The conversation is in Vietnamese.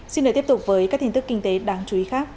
xin để tiếp tục với các thính thức kinh tế đáng chú ý khác